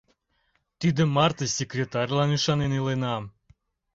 Тиде марте секретарьлан ӱшанен иленам...»